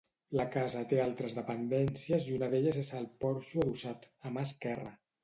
La casa té altres dependències i una d’elles és el porxo adossat, a mà esquerra.